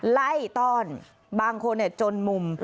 ไล่ต้อนบางคนจนมุม